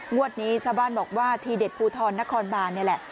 งวดนี้ชาวบ้านบอกว่าทีเด็ดภูทรนครบานนี่แหละ